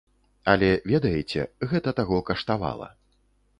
Але, ведаеце, гэта таго каштавала.